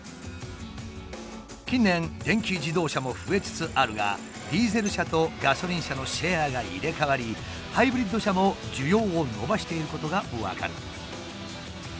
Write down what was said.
近年電気自動車も増えつつあるがディーゼル車とガソリン車のシェアが入れ代わりハイブリッド車も需要を伸ばしていることが分かる。